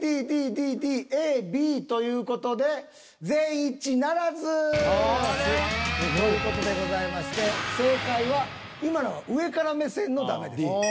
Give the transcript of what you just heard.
ＤＤＤＤＤＡＢという事で全員一致ならず！という事でございまして正解は今のは上から目線の「ダメ」です。